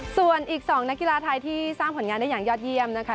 ส่วนอีก๒นักกีฬาไทยที่สร้างผลงานได้อย่างยอดเยี่ยมนะคะ